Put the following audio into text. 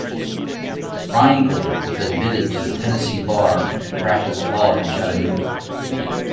Reingold was admitted to the Tennessee bar and practiced law in Chattanooga.